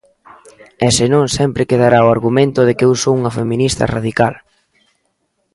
E senón sempre quedará o argumento de que eu son unha feminista radical.